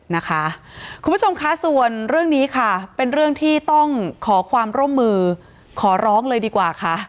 นะคะคุณผู้ชมคะส่วนเรื่องนี้ค่ะเป็นเรื่องที่ต้องขอความร่วมมือขอร้องเลยดีกว่าค่ะ